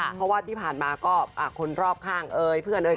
เพราะว่าที่ผ่านมาก็คนรอบข้างเอ่ยเพื่อนเอ๋ย